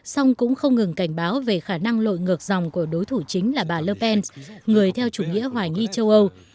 xong cũng không ngừng cảnh báo về khả năng lội ngược dòng của đối thủ chính là bà le pen người theo chủ nghĩa hoài nghi châu âu